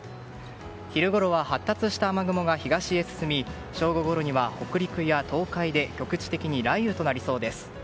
昼ごろは発達した雨雲が東へ進み正午ごろには北陸や東海で局地的に雷雨となりそうです。